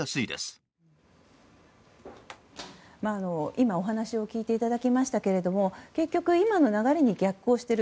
今、お話を聞いていただきましたが結局、今の流れに逆行している。